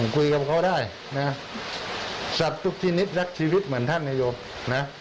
คุยกับเขาได้นะสับทุกที่นิดรักชีวิตเหมือนท่านนโยมนะ